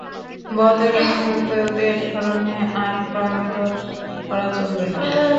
বদরে নিহতদের স্মরণে আর ক্রন্দন করা চলবে না।